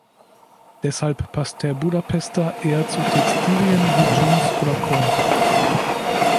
Deshalb passt der Budapester eher zu Textilien wie Jeans oder Cord.